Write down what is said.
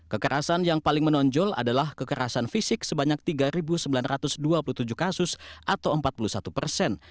kekerasan yang paling menonjol adalah kekerasan fisik sebanyak tiga sembilan ratus dua puluh tujuh kasus atau empat puluh satu persen